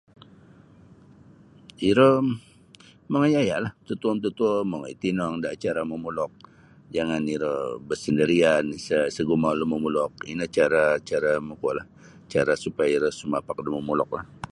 Iro mongoi aya'lah mututuo-mututuo mongoi tinong da acara momulok jangan iro basendirian isa sa' gumaul da momulok ino cara cara mo kuolah cara supaya iro sumapak da momuloklah.